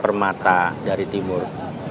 permata dari timur